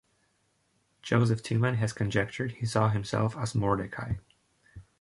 Joseph Tuman has conjectured he saw himself as Mordecai.